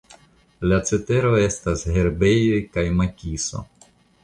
La cetero estas herbejoj kaj makiso.